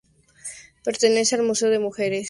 Pertenece al Museo de Mujeres Artistas Mexicanas.